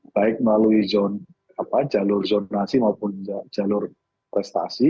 baik melalui jalur zonasi maupun jalur prestasi